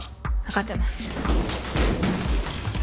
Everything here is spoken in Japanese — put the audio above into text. わかってます。